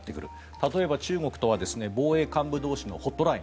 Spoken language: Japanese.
例えば中国とは防衛幹部同士のホットライン。